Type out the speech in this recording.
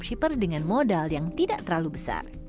biasanya dropshipper dengan modal yang tidak terlalu besar